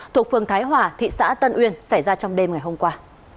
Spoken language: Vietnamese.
thuộc phường thái hòa thị xã tân uyên xảy ra trong đêm ngày hôm qua